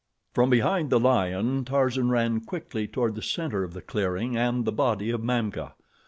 From behind the lion, Tarzan ran quickly toward the center of the clearing and the body of Mamka.